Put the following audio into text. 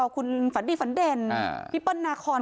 คุณฝันดีฝันเด่นพี่เปิ้ลนาคอน